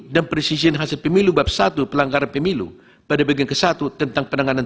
dan presisi hasil pemilu bab satu pelanggaran pemilu pada bagian ke satu tentang penanganan